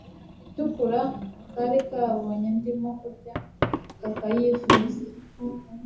itukura kari kabonye ndimo kurya kakayifuza